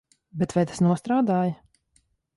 Bet vai tas nostrādāja?